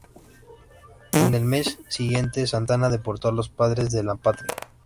En el mes siguiente, Santana deportó a los Padres de la Patria.